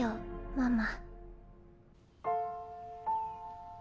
ママ。